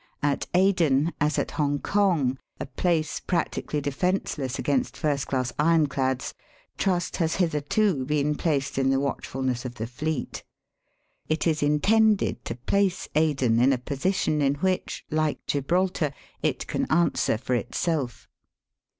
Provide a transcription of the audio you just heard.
At Aden, as at Hong kong, a place practically defenceless against Digitized by VjOOQIC A BRITISH OUTPOST. 339 first class ironclads, tmst has hitherto been placed in the watchfulness of the fleet. It is intended to place Aden in a position in which, like Gibraltar, it can answer for itself.